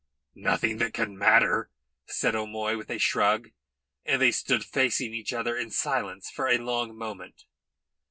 "Nothing that can matter," said O'Moy, with a shrug, and they stood facing each other in silence for a long moment.